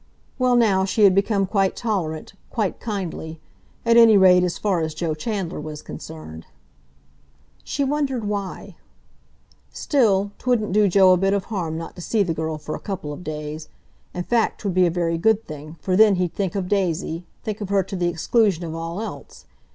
Well, now she had become quite tolerant, quite kindly—at any rate as far as Joe Chandler was concerned. She wondered why. Still, 'twouldn't do Joe a bit of harm not to see the girl for a couple of days. In fact 'twould be a very good thing, for then he'd think of Daisy—think of her to the exclusion of all else.